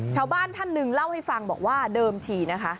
ชาวบ้านท่านหนึ่งเล่าให้ฟังบอกว่าเดิมทีนะคะ